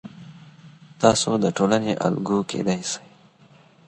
تاسو د ټولنې الګو کیدی سئ.